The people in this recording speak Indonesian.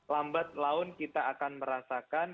lambat laun kita akan merasakan